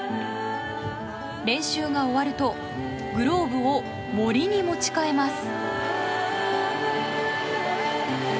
練習が終わるとグローブをモリに持ち替えます。